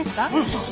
そう。